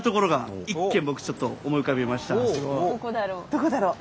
どこだろう？